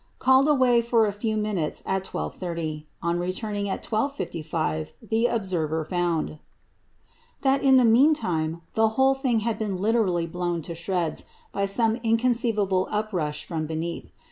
Called away for a few minutes at 12.30, on returning at 12.55 the observer found "That in the meantime the whole thing had been literally blown to shreds by some inconceivable uprush from beneath.